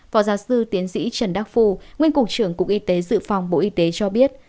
phó giáo sư tiến sĩ trần đắc phu nguyên cục trưởng cục y tế dự phòng bộ y tế cho biết